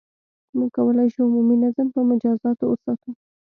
• موږ کولای شو، عمومي نظم په مجازاتو وساتو.